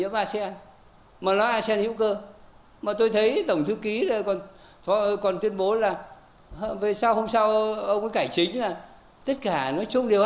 về cái thông tin